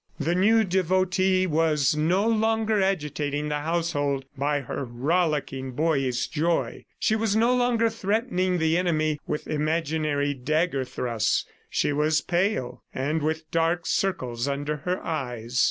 The new devotee was no longer agitating the household by her rollicking, boyish joy; she was no longer threatening the enemy with imaginary dagger thrusts. She was pale, and with dark circles under her eyes.